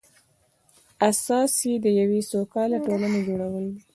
اساس یې د یوې سوکاله ټولنې جوړول دي.